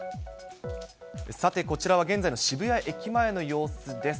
さて、こちらは現在の渋谷駅前の様子です。